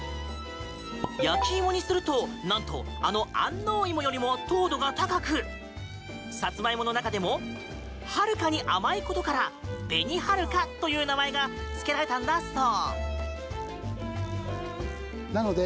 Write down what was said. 焼き芋にすると、なんとあの安納芋よりも糖度が高くサツマイモの中でもはるかに甘いことから紅はるかという名前がつけられたんだそう。